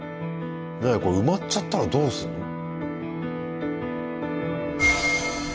これ埋まっちゃったらどうするの？